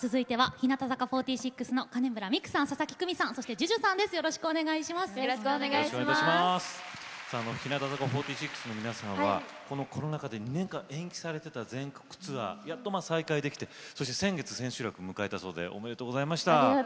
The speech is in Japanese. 日向坂４６の皆さんはコロナ禍で２年間延期されている全国ツアー、やっと再開できて先月、千秋楽を迎えたそうでおめでとうございます。